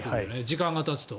時間がたつと。